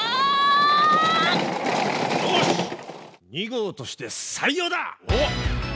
２号として採用だ！